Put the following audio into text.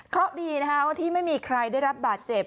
เพราะดีนะคะว่าที่ไม่มีใครได้รับบาดเจ็บ